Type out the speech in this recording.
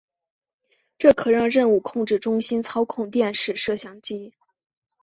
这可让任务控制中心操控电视摄像机。